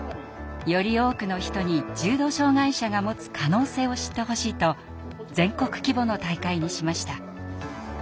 より多くの人に重度障害者が持つ可能性を知ってほしいと全国規模の大会にしました。